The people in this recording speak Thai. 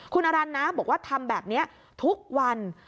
คุณอรันทร์นะบอกว่าทำแบบนี้ทุกวัน